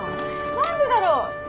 何でだろう？